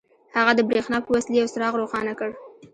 هغه د برېښنا په وسيله يو څراغ روښانه کړ.